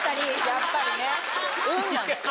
やっぱりね「うん」なんですよ。